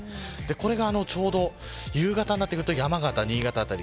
これがちょうど夕方になってくると山形、新潟辺り。